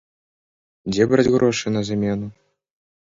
Дзе браць грошы на замену?